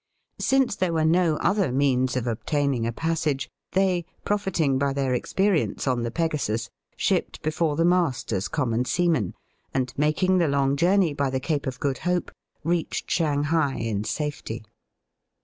Since there were no other means of obtaining a passage, they, profiting by their experience on the Pegasus^ shipped before the mast as common seamen, and, making the long voyage by the Cape of Good Hope, reached Shanghai in safety.